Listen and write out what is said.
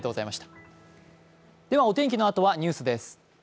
お天気のあとはニュースです。